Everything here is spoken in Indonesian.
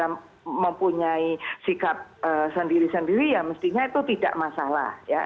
yang mempunyai sikap sendiri sendiri ya mestinya itu tidak masalah ya